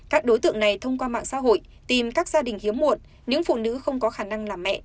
các đối tượng này thông qua mạng xã hội tìm các gia đình hiếm muộn những phụ nữ không có khả năng làm mẹ